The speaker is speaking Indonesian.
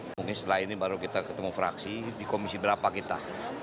mungkin setelah ini baru kita ketemu fraksi di komisi berapa kita